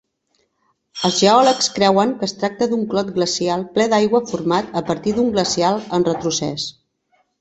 Els geòlegs creuen que es tracta d'un clot glacial ple d'aigua format a partir d'un glaciar en retrocés.